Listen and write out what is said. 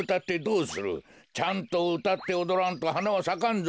ちゃんとうたっておどらんとはなはさかんぞ。